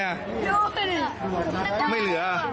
ไม่เหลืออ่ะไม่เหลืออ่ะ